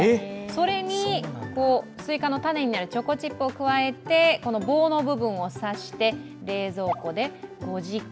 それにスイカの種になるチョコチップを加えてこの棒の部分を刺して、冷蔵庫で５時間。